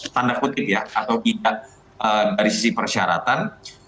tanda kutip ya atau tidak dari sisi persyaratan